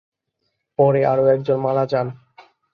পরে আরও একজন মারা যান।